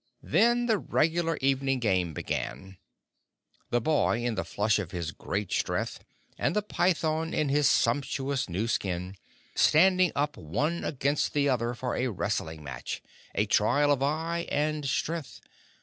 Then the regular evening game began the boy in the flush of his great strength, and the Python in his sumptuous new skin, standing up one against the other for a wrestling match a trial of eye and strength.